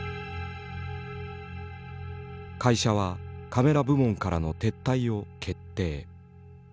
会社はカメラ部門からの撤退を決定。